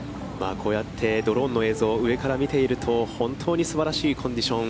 こうやってドローンの映像を上から見ていると本当にすばらしいコンディション。